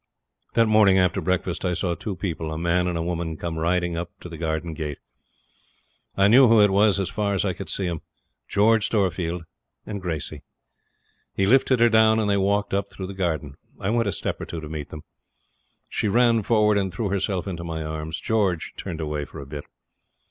..... That morning, after breakfast, I saw two people, a man and a woman, come riding up to the garden gate. I knew who it was as far as I could see 'em George Storefield and Gracey. He lifted her down, and they walked up through the garden. I went a step or two to meet them. She ran forward and threw herself into my arms. George turned away for a bit.